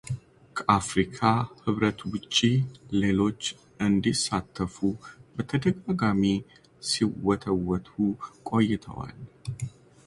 ከአፍሪካ ሕብረት ውጪ ሌሎች እንዲሳተፉ በተደጋጋሚ ሲወተውቱ ቆይተዋል።